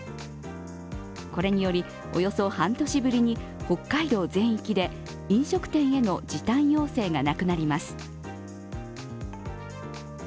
これによりおよそ半年ぶりに北海道全域で飲食店への時短要請がなくなります。